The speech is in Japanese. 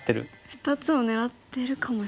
２つを狙ってるかもしれない。